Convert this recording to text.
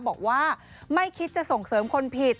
บอกว่าไม่คิดจะส่งเสริมคนผิด